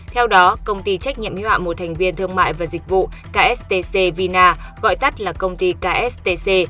theo đó công ty trách nhiệm hiệu hạn một thành viên thương mại và dịch vụ kstc vina gọi tắt là công ty kstcc